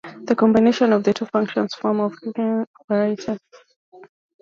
The combination of the two functions forms the Hutchinson operator.